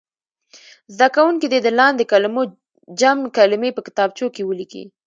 زده کوونکي دې د لاندې کلمو جمع کلمې په کتابچو کې ولیکي.